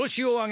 お！